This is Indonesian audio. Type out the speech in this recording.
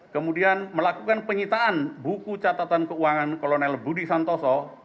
kemudian melakukan penyitaan buku catatan keuangan kolonel budi santoso